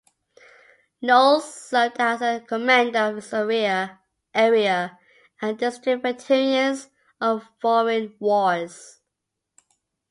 Knowles served as a commander of his area and district Veterans of Foreign Wars.